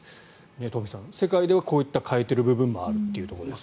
東輝さん、世界ではこういった変えている部分もあるということですね。